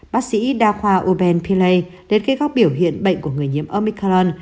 bác sĩ đa khoa uben pillay đến kết góc biểu hiện bệnh của người nhiễm omicron